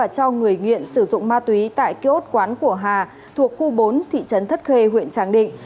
cho người nghiện sử dụng ma túy tại kiosk quán của hà thuộc khu bốn thị trấn thất khê huyện tràng định